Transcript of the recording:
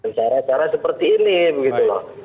cara cara seperti ini begitu loh